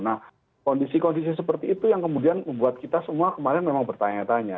nah kondisi kondisi seperti itu yang kemudian membuat kita semua kemarin memang bertanya tanya